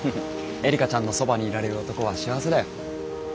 えりかちゃんのそばにいられる男は幸せだよ。